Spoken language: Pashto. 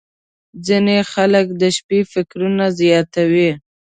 • ځینې خلک د شپې فکرونه زیاتوي.